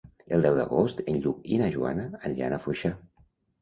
El deu d'agost en Lluc i na Joana aniran a Foixà.